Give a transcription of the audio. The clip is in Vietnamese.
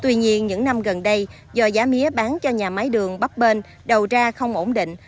tuy nhiên những năm gần đây do giá mía bán cho nhà máy đường bắp bên đầu ra không ổn định